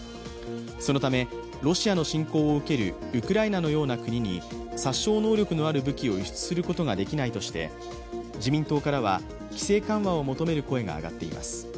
そのためロシアの侵攻を受けるウクライナのような国に、殺傷能力のある武器を輸出することができないとして自民党からは規制緩和を求める声が上がっています。